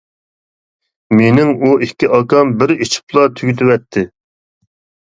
مېنىڭ ئۇ ئىككى ئاكام بىر ئىچىپلا تۈگىتىۋەتتى.